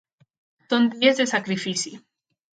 Són dies de sacrifici!